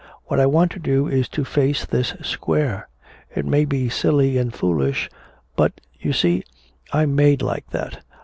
What I want to do is to face this square! It may be silly and foolish but you see, I'm made like that.